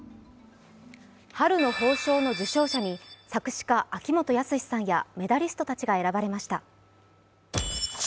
春の褒章の受章者に作詞家の秋元康さんや、メダリストたちが選ばれました。